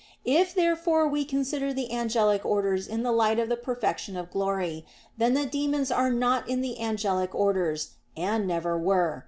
If therefore we consider the angelic orders in the light of the perfection of glory, then the demons are not in the angelic orders, and never were.